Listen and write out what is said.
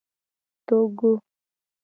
Togo.